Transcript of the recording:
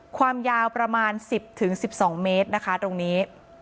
ความยาวประมาณ๑๐๑๒เมตรนะคะตรงนี้